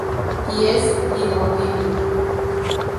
Y es irrompible.